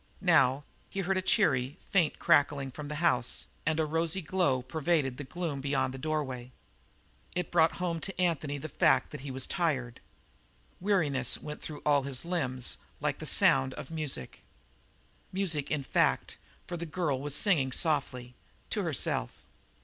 Now he heard a cheery, faint crackling from the house and a rosy glow pervaded the gloom beyond the doorway. It brought home to Anthony the fact that he was tired; weariness went through all his limbs like the sound of music. Music in fact, for the girl was singing softly to herself.